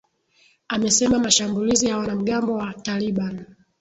amesema mashambulizi ya wanamgambo wa taliban